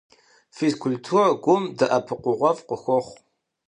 Физкультурэр гум дэӀэпыкъуэгъуфӀ къыхуохъу.